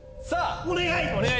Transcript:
お願い！